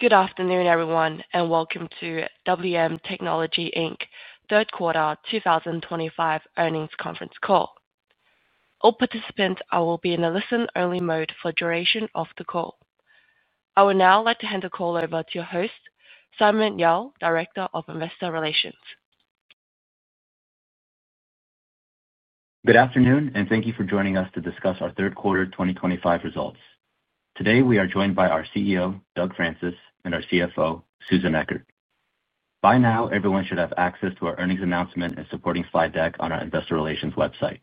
Good afternoon, everyone, and welcome to WM Technology Third Quarter 2025 Earnings Conference Call. All participants will be in a listen-only mode for the duration of the call. I would now like to hand the call over to your host, Simon Yao, Director of Investor Relations. Good afternoon, and thank you for joining us to discuss our third quarter 2025 results. Today, we are joined by our CEO, Doug Francis, and our CFO, Susan Echard. By now, everyone should have access to our earnings announcement and supporting slide deck on our Investor Relations website.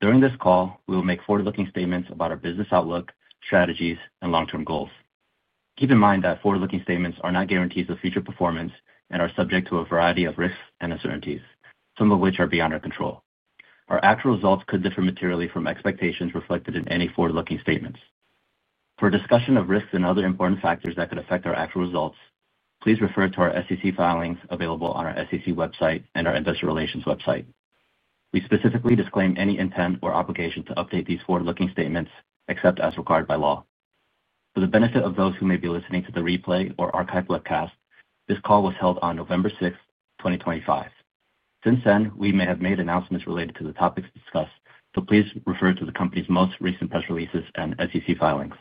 During this call, we will make forward-looking statements about our business outlook, strategies, and long-term goals. Keep in mind that forward-looking statements are not guarantees of future performance and are subject to a variety of risks and uncertainties, some of which are beyond our control. Our actual results could differ materially from expectations reflected in any forward-looking statements. For a discussion of risks and other important factors that could affect our actual results, please refer to our SEC filings available on our SEC website and our Investor Relations website. We specifically disclaim any intent or obligation to update these forward-looking statements except as required by law. For the benefit of those who may be listening to the replay or archived webcast, this call was held on November 6, 2025. Since then, we may have made announcements related to the topics discussed, so please refer to the company's most recent press releases and SEC filings.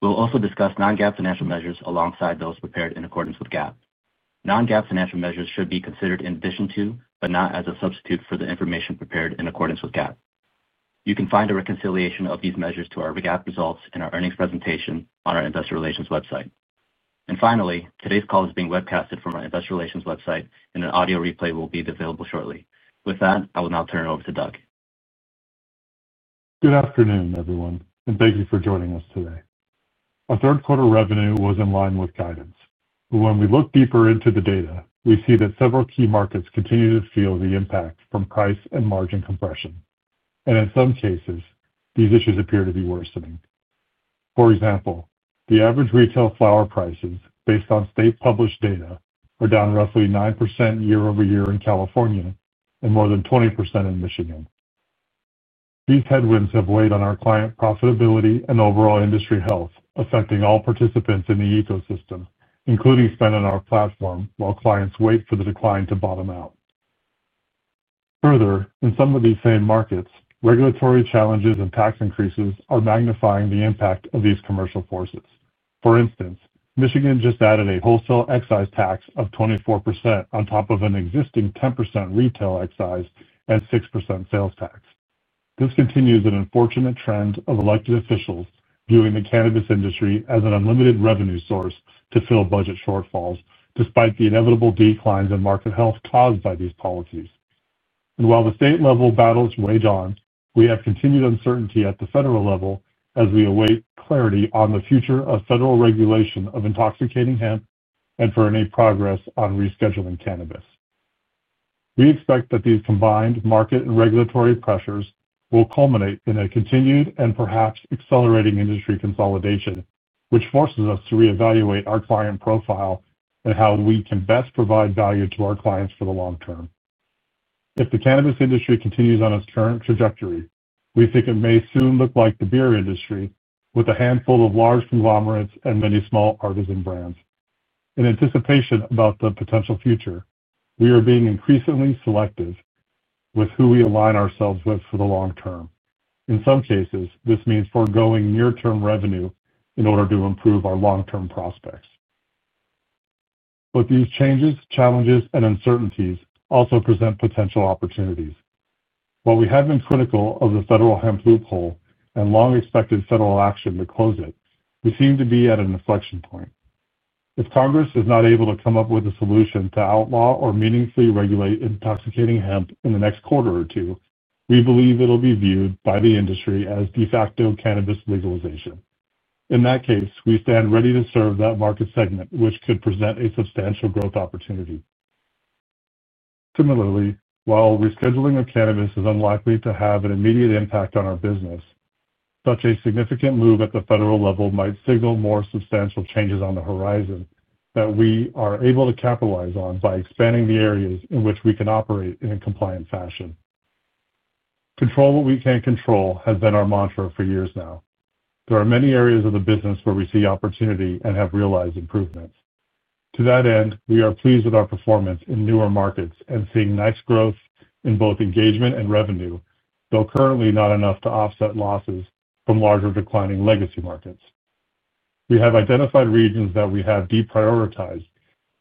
We will also discuss non-GAAP financial measures alongside those prepared in accordance with GAAP. Non-GAAP financial measures should be considered in addition to, but not as a substitute for the information prepared in accordance with GAAP. You can find a reconciliation of these measures to our GAAP results in our earnings presentation on our Investor Relations website. Finally, today's call is being webcast from our Investor Relations website, and an audio replay will be available shortly. With that, I will now turn it over to Doug. Good afternoon, everyone, and thank you for joining us today. Our third-quarter revenue was in line with guidance. When we look deeper into the data, we see that several key markets continue to feel the impact from price and margin compression. In some cases, these issues appear to be worsening. For example, the average retail flower prices, based on state-published data, are down roughly 9% year-over-year in California and more than 20% in Michigan. These headwinds have weighed on our client profitability and overall industry health, affecting all participants in the ecosystem, including spend on our platform while clients wait for the decline to bottom out. Further, in some of these same markets, regulatory challenges and tax increases are magnifying the impact of these commercial forces. For instance, Michigan just added a wholesale excise tax of 24% on top of an existing 10% retail excise and 6% sales tax. This continues an unfortunate trend of elected officials viewing the cannabis industry as an unlimited revenue source to fill budget shortfalls despite the inevitable declines in market health caused by these policies. While the state-level battles rage on, we have continued uncertainty at the federal level as we await clarity on the future of federal regulation of intoxicating hemp and for any progress on rescheduling cannabis. We expect that these combined market and regulatory pressures will culminate in a continued and perhaps accelerating industry consolidation, which forces us to reevaluate our client profile and how we can best provide value to our clients for the long term. If the cannabis industry continues on its current trajectory, we think it may soon look like the beer industry with a handful of large conglomerates and many small artisan brands. In anticipation about the potential future, we are being increasingly selective with who we align ourselves with for the long term. In some cases, this means foregoing near-term revenue in order to improve our long-term prospects. These changes, challenges, and uncertainties also present potential opportunities. While we have been critical of the federal hemp loophole and long-expected federal action to close it, we seem to be at an inflection point. If Congress is not able to come up with a solution to outlaw or meaningfully regulate intoxicating hemp in the next quarter or two, we believe it'll be viewed by the industry as de facto cannabis legalization. In that case, we stand ready to serve that market segment, which could present a substantial growth opportunity. Similarly, while rescheduling of cannabis is unlikely to have an immediate impact on our business, such a significant move at the federal level might signal more substantial changes on the horizon that we are able to capitalize on by expanding the areas in which we can operate in a compliant fashion. "Control what we can control" has been our mantra for years now. There are many areas of the business where we see opportunity and have realized improvements. To that end, we are pleased with our performance in newer markets and seeing nice growth in both engagement and revenue, though currently not enough to offset losses from larger declining legacy markets. We have identified regions that we have deprioritized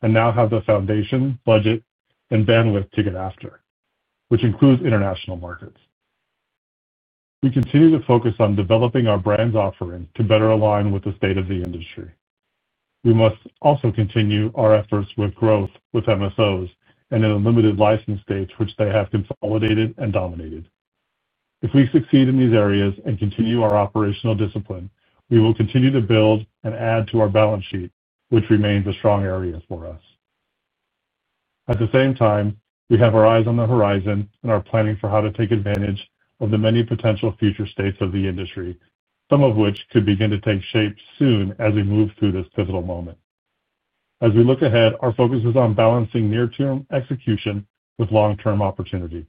and now have the foundation, budget, and bandwidth to get after, which includes international markets. We continue to focus on developing our brand's offering to better align with the state of the industry. We must also continue our efforts with growth with MSOs and in a limited license stage, which they have consolidated and dominated. If we succeed in these areas and continue our operational discipline, we will continue to build and add to our balance sheet, which remains a strong area for us. At the same time, we have our eyes on the horizon and are planning for how to take advantage of the many potential future states of the industry, some of which could begin to take shape soon as we move through this pivotal moment. As we look ahead, our focus is on balancing near-term execution with long-term opportunity.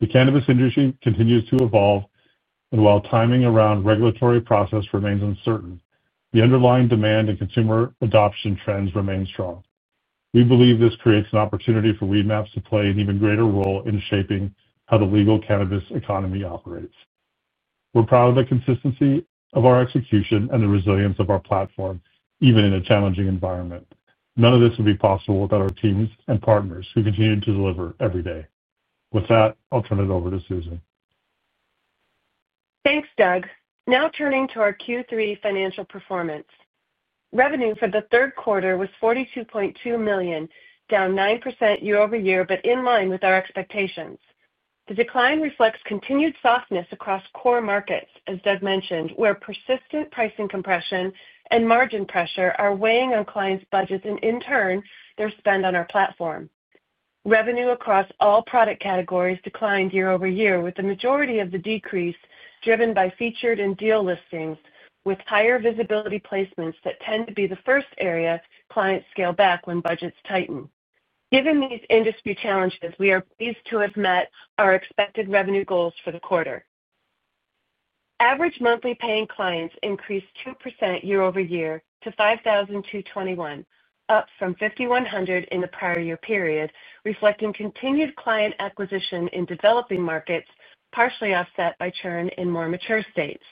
The cannabis industry continues to evolve, and while timing around regulatory process remains uncertain, the underlying demand and consumer adoption trends remain strong. We believe this creates an opportunity for Weedmaps to play an even greater role in shaping how the legal cannabis economy operates. We're proud of the consistency of our execution and the resilience of our platform, even in a challenging environment. None of this would be possible without our teams and partners who continue to deliver every day. With that, I'll turn it over to Susan. Thanks, Doug. Now turning to our Q3 financial performance. Revenue for the third quarter was $42.2 million, down 9% year-over-year, but in line with our expectations. The decline reflects continued softness across core markets, as Doug mentioned, where persistent pricing compression and margin pressure are weighing on clients' budgets and, in turn, their spend on our platform. Revenue across all product categories declined year-over-year, with the majority of the decrease driven by featured and deal listings, with higher visibility placements that tend to be the first area clients scale back when budgets tighten. Given these industry challenges, we are pleased to have met our expected revenue goals for the quarter. Average monthly paying clients increased 2% year-over-year to 5,221, up from 5,100 in the prior year period, reflecting continued client acquisition in developing markets, partially offset by churn in more mature states.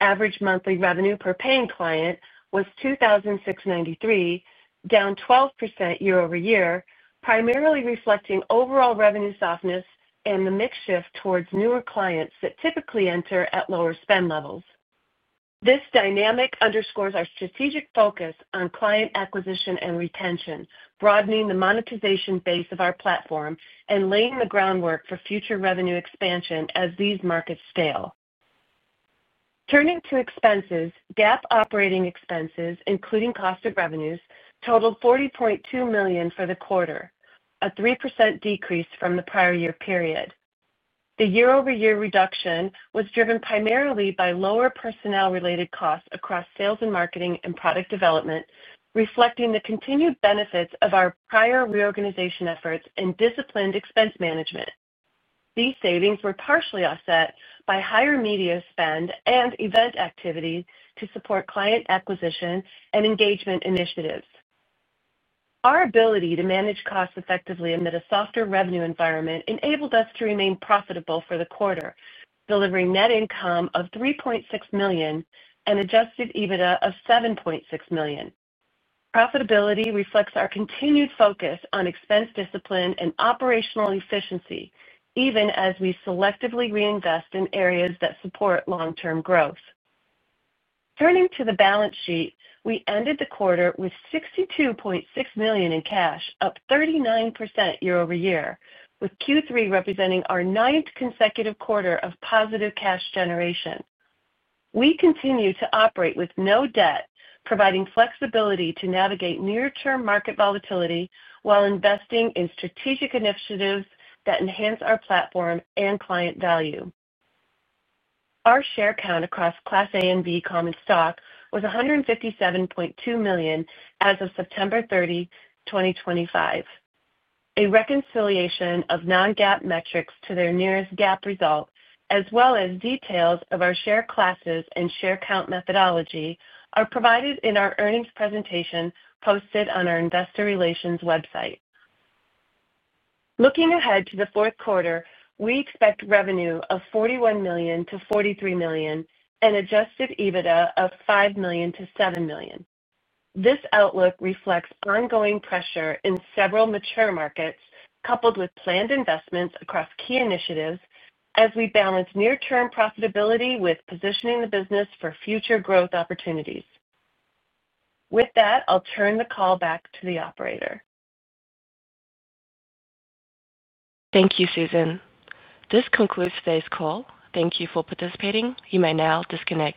Average monthly revenue per paying client was $2,693, down 12% year-over-year, primarily reflecting overall revenue softness and the mix shift towards newer clients that typically enter at lower spend levels. This dynamic underscores our strategic focus on client acquisition and retention, broadening the monetization base of our platform and laying the groundwork for future revenue expansion as these markets scale. Turning to expenses, GAAP operating expenses, including cost of revenues, totaled $40.2 million for the quarter, a 3% decrease from the prior year period. The year-over-year reduction was driven primarily by lower personnel-related costs across sales and marketing and product development, reflecting the continued benefits of our prior reorganization efforts and disciplined expense management. These savings were partially offset by higher media spend and event activity to support client acquisition and engagement initiatives. Our ability to manage costs effectively amid a softer revenue environment enabled us to remain profitable for the quarter, delivering net income of $3.6 million and adjusted EBITDA of $7.6 million. Profitability reflects our continued focus on expense discipline and operational efficiency, even as we selectively reinvest in areas that support long-term growth. Turning to the balance sheet, we ended the quarter with $62.6 million in cash, up 39% year-over-year, with Q3 representing our ninth consecutive quarter of positive cash generation. We continue to operate with no debt, providing flexibility to navigate near-term market volatility while investing in strategic initiatives that enhance our platform and client value. Our share count across Class A and B common stock was 157.2 million as of September 30, 2025. A reconciliation of non-GAAP metrics to their nearest GAAP result, as well as details of our share classes and share count methodology, are provided in our earnings presentation posted on our Investor Relations website. Looking ahead to the fourth quarter, we expect revenue of $41 million-$43 million and adjusted EBITDA of $5 million-$7 million. This outlook reflects ongoing pressure in several mature markets, coupled with planned investments across key initiatives, as we balance near-term profitability with positioning the business for future growth opportunities. With that, I'll turn the call back to the operator. Thank you, Susan. This concludes today's call. Thank you for participating. You may now disconnect.